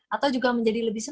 atau juga menjadi tidak terbiasa